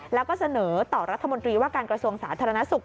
แล้วก็เสนอต่อรัฐมนตรีว่าการกระทรวงสาธารณสุข